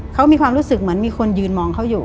เขามีความรู้สึกเหมือนมีคนยืนมองเขาอยู่